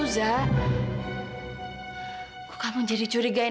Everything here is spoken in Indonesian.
yang ini juga